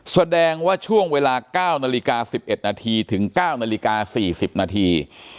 แสดงว่าช่วงเวลา๙นาฬิกา๑๑นาทีถึง๙นาฬิกา๔๐นาที